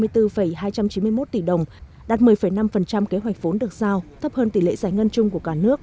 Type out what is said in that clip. tám sáu trăm ba mươi bốn hai trăm chín mươi một tỷ đồng đạt một mươi năm kế hoạch vốn được giao thấp hơn tỷ lệ giải ngân chung của cả nước